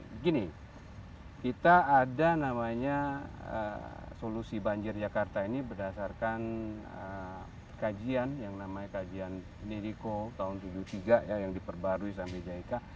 begini kita ada namanya solusi banjir jakarta ini berdasarkan kajian yang namanya kajian nidico tahun tujuh puluh tiga ya yang diperbarui sampai jika